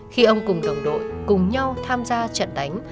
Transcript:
khi ông cùng đồng đội cùng nhau tham gia trận đánh